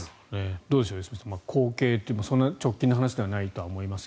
どうでしょう、良純さん後継といってもそんな直近の話じゃないと思いますが。